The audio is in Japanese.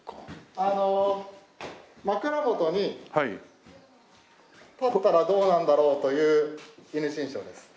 あの枕元に立ったらどうなんだろうという戌神将です。